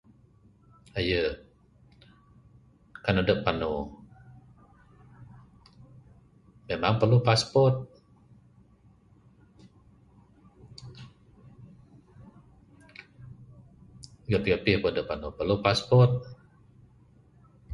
Aye, kan adep panu, memang perlu passport, gapih-gapih pun adep panu, perlu passport.